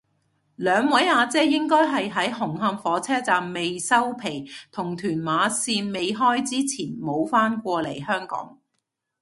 兩位阿姐應該係喺紅磡火車站未收皮同屯馬綫未開之前冇返過嚟香港